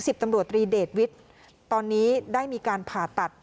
ตำรวจตรีเดชวิทย์ตอนนี้ได้มีการผ่าตัด